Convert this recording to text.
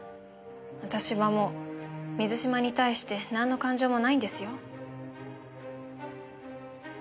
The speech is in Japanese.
私はもう水嶋に対してなんの感情もないんですよ？